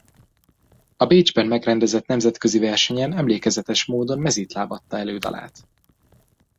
A Bécsben megrendezett nemzetközi versenyen emlékezetes módon mezítláb adta elő dalát.